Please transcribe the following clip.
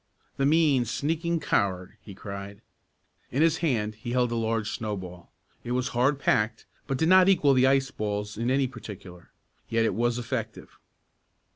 "The mean, sneaking coward!" he cried. In his hand he held a large snowball. It was hard packed, but did not equal the ice balls in any particular. Yet it was effective.